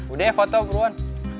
udah ya foto beruan